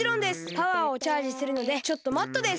パワーをチャージするのでちょっと待っとです！